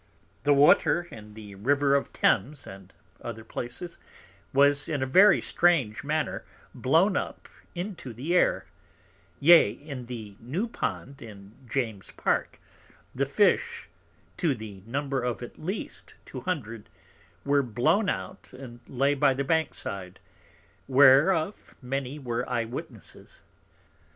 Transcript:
The Water in the River of Thames, and other Places, was in a very strange manner blown up into the Air: Yea, in the new Pond in James's Park, the Fish, to the Number of at least two Hundred, where blown out and lay by the Bank side, whereof many were Eye witnesses.